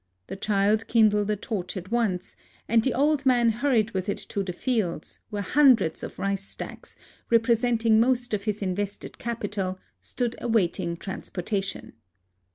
The child kindled a torch at once ; and the old man hurried with it to the fields, where hundreds of rice stacks, representing most of his invested capital, stood awaiting transportation.